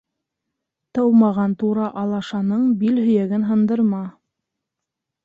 Тыумаған тура алашаның бил һөйәген һындырма.